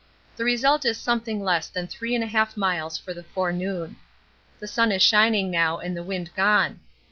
The result is something less than 3 1/2 miles for the forenoon. The sun is shining now and the wind gone.